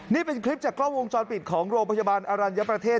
นี่เป็นคลิปจากกล้องวงจรปิดของโรงพยาบาลอรัญญประเทศ